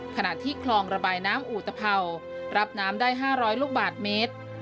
ขณะที่คลองระบายน้ำอุตภัวรับน้ำได้๕๐๐ลูกบาทเมตร